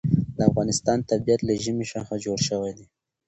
د افغانستان طبیعت له ژمی څخه جوړ شوی دی.